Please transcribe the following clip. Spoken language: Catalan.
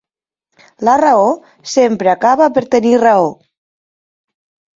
La raó sempre acaba per tenir raó.